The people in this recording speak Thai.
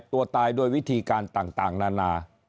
ตัวตายโดยวิธีการต่างนานา